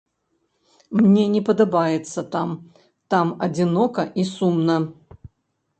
Мне не падабаецца там, там адзінока і сумна.